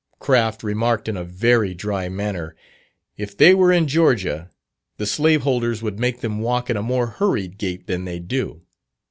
Craft remarked in a very dry manner, "If they were in Georgia, the slaveholders would make them walk in a more hurried gait than they do."